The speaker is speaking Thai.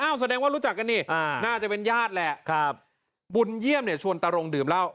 แสดงว่ารู้จักกันนี่น่าจะเป็นญาติแหละครับบุญเยี่ยมเนี่ยชวนตารงดื่มเหล้า